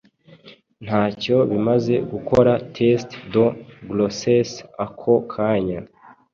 ntacyo bimaze gukora test de grossesse ako kanya